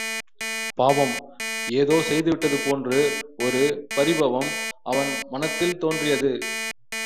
பாவம் ஏதோ செய்துவிட்டது போன்று ஒரு பரிபவம் அவன் மனத்தில் தோன்றியது.